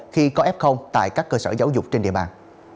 khi có f tại các cơ sở giáo dục trên địa bàn